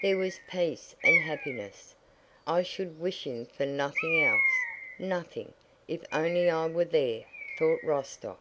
There was peace and happiness... "I should wish for nothing else, nothing, if only I were there," thought Rostóv.